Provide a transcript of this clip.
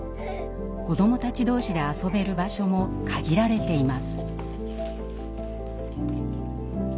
子どもたち同士で遊べる場所も限られています。